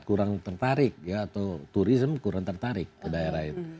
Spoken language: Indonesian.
kurang tertarik ya atau turisme kurang tertarik ke daerah itu